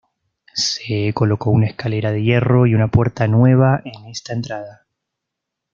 Se colocó una escalera de hierro y una puerta nueva en esta entrada.